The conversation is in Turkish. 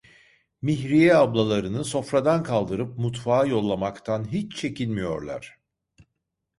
Mihriye ablalarını sofradan kaldırıp mutfağa yollamaktan hiç çekinmiyorlar.